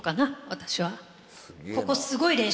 私は。